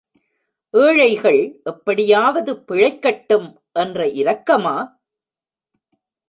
ஏழைகள் எப்படியாவது பிழைக்கட்டும் என்ற இரக்கமா?